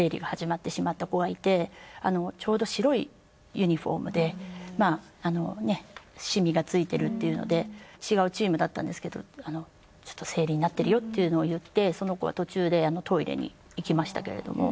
ちょうど白いユニフォームでしみがついてるっていうので違うチームだったんですけどちょっと生理になってるよっていうのを言ってその子は途中でトイレに行きましたけれども。